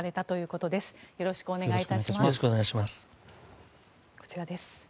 こちらです。